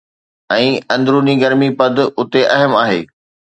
۽ اندروني گرمي پد اتي اهم آهي